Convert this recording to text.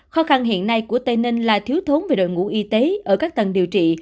khó khăn hiện nay của tây ninh là thiếu thốn về đội ngũ y tế ở các tầng điều trị